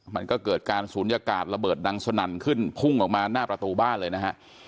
มันก็เกิดการศูนยากาศระเบิดดังสนั่นขึ้นพุ่งออกมาหน้าประตูบ้านเลยนะฮะ